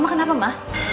mama kenapa sih ma